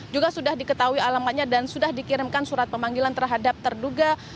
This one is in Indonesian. juga sudah diketahui alamatnya dan sudah dikirimkan surat pemanggilan terhadap terduga